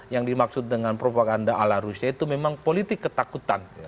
yang dimaksud dengan propaganda ala rusia itu memang politik ketakutan